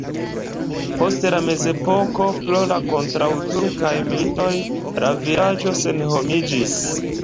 Post la mezepoko pro la kontraŭturkaj militoj la vilaĝo senhomiĝis.